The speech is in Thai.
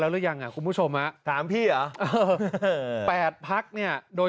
แล้วหรือยังอ่ะคุณผู้ชมอ่ะถามพี่อ่ะเออแปดพักเนี่ยโดย